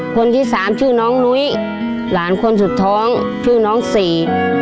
คนที่สามชื่อน้องนุ้ยหลานคนสุดท้องชื่อน้องสี่